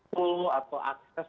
full atau akses masyarakat